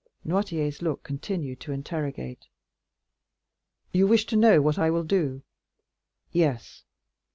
Noirtier's look continued to interrogate. "You wish to know what I will do?" "Yes."